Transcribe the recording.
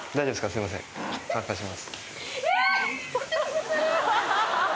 すいません乾かします